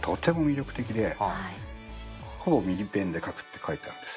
ほぼミリペンで描くって書いてあるんですよ。